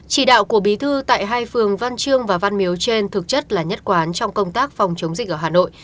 chỉ đạo của bí thư tại hai phường văn chương và văn miếu trên thực chất là nhất quán trong công tác phòng chống dịch ở hà nội